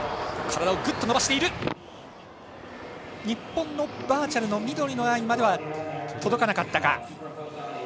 日本のバーチャルの緑のラインまでは届かなかったか。